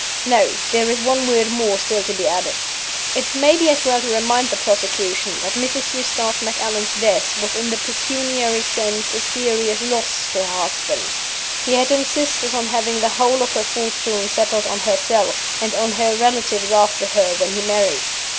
"No! There is one word more still to be added. "It may be as well to remind the prosecution that Mrs. Eustace Macallan's death was in the pecuniary sense a serious loss to her husband. He had insisted on having the whole of her fortune settled on herself, and on her relatives after her, when he married.